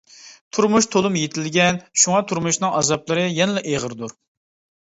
تۇرمۇش تولىمۇ يېتىلگەن، شۇڭا تۇرمۇشنىڭ ئازابلىرى يەنىلا ئېغىردۇر.